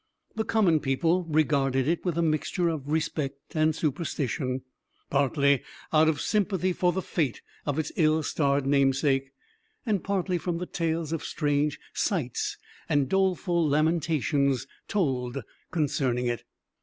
The common people regarded it with a mixture of respect and superstition, partly out of sympathy for the fate of its ill starred namesake, and partly from the tales of strange sights and doleful lamentations told concerning it.